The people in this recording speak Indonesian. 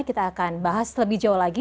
kita akan bahas lebih jauh lagi